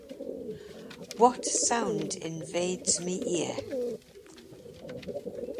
What sound invades me ear?